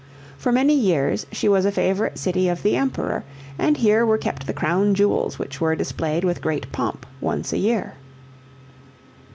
For many years she was a favorite city of the Emperor and here were kept the crown jewels which were displayed with great pomp once a year.